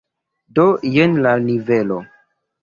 Do jen la nivelo.